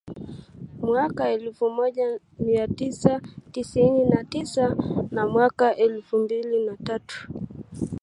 mwaka elfu moja mia tisa tisini na tisa na mwaka elfu mbili na tatu